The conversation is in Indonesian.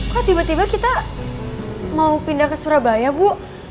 kok tiba tiba kita mau pindah ke surabaya bu